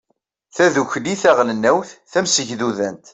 tadukli taɣelnawt tamsegdudant